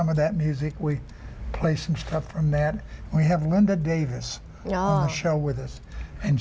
เราจะกินอีกสิ่งจากนั้นและมีลินดาดาวิสมาดูกัน